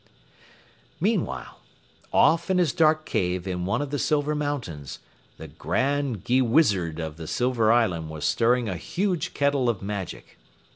Meanwhile, off in his dark cave in one of the silver mountains, the Grand Gheewizard of the Silver Island was stirring a huge kettle of magic.